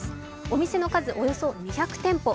お店の数、およそ２００店舗。